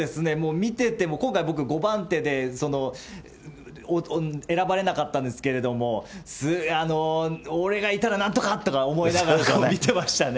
見てて、今回、僕、５番手で、選ばれなかったんですけれども、俺がいたらなんとかって思いながら、見てましたね。